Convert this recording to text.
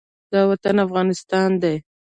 دا وطن افغانستان دی